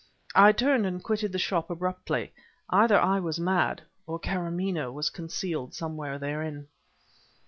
I turned and quitted the shop abruptly. Either I was mad, or Karamaneh was concealed somewhere therein.